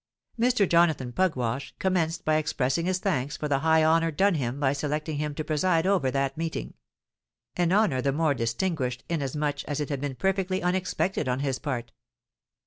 Mr. Jonathan Pugwash commenced by expressing his thanks for the high honour done him by selecting him to preside over that meeting—an honour the more distinguished, inasmuch as it had been perfectly unexpected on his part.